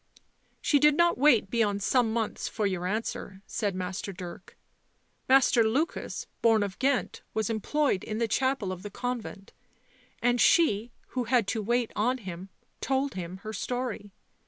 " She did not wait beyond some months for your answer," said Master Dirk. u Master Lukas, born of Ghent, was employed in the chapel of the convent, and she, who had to wait on him, told him her story.